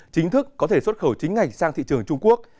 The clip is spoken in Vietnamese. chính thức có thể xuất khẩu chính ngạch sang thị trường trung quốc